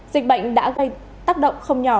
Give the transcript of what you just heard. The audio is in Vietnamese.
dịch bệnh đã gây tác động không nhỏ